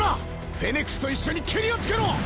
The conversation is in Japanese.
フェネクスと一緒にケリをつけろ！